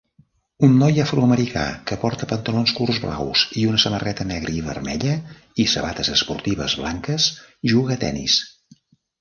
Un noi afroamericà que porta pantalons curts blaus i una samarreta negra i vermella i sabates esportives blanques juga a tenis